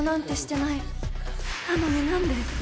なのに何で？